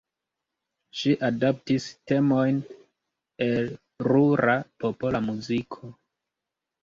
Ŝi adaptis temojn el rura popola muziko.